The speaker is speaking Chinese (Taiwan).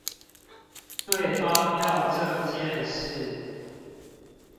對發票這件事